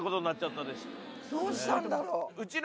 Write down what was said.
どうしたんだろう？